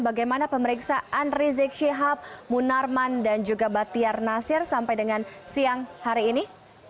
bagaimana pemeriksaan rizik syihab munarman dan juga batiar nasir sampai dengan siang hari ini